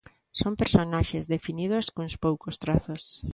Son personaxes definidos cuns poucos trazos.